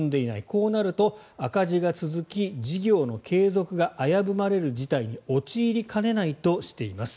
こうなると、赤字が続き事業の継続が危ぶまれる事態に陥りかねないとしています。